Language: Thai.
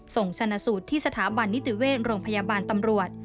ส่งชนะสูตรที่สถาบันนิติเวชโรงพยาบาลตำรวจ